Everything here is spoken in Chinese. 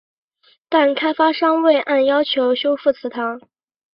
但开发商未按要求修复祠堂。